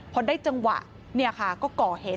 พอได้จังหวะเนี่ยค่ะก็ก่อเหตุ